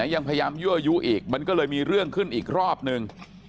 ยังพยายามยั่วยุอีกมันก็เลยมีเรื่องขึ้นอีกรอบนึง